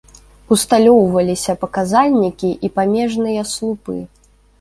Усталёўваліся паказальнікі і памежныя слупы.